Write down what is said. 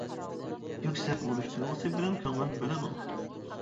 يۈكسەك بۇرچ تۇيغۇسى بىلەن كۆڭۈل بۆلىدۇ.